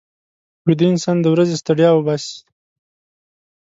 ویده انسان د ورځې ستړیا وباسي